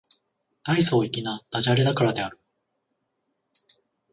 大層粋な駄洒落だからである